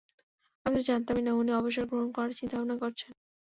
আমি তো জানতামই না উনি অবসর গ্রহণ করার চিন্তা ভাবনা করছেন।